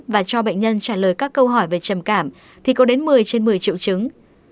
và cho bệnh nhân trả lời các câu hỏi về trầm cảm thì có đến một mươi trên một mươi triệu chứng